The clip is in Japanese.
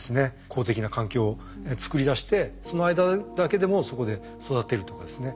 好適な環境を作り出してその間だけでもそこで育てるとかですね。